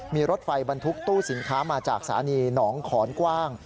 มีรถไฟบรรทุกตู้สินค้ามาจากสถานีหนองขอนกว้าง